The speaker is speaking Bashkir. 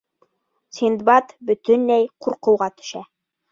Синдбад бөтөнләй ҡурҡыуға төшә.